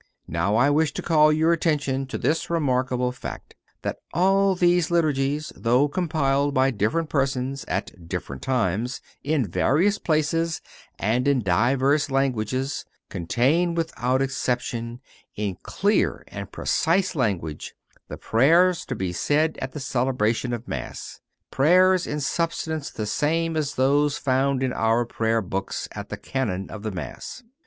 Now I wish to call your attention to this remarkable fact, that all these Liturgies, though compiled by different persons, at different times, in various places, and in divers languages, contain, without exception, in clear and precise language, the prayers to be said at the celebration of Mass; prayers in substance the same as those found in our prayer books at the Canon of the Mass.